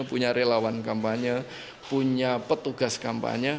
punya relawan kampanye punya petugas kampanye